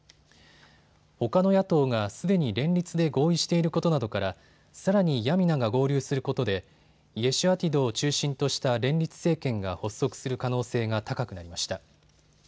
ほかの野党がすでに連立で合意していることなどからさらにヤミナが合流することでイェシュアティドを中心とした連立政権が発足する可能性が高くなりました。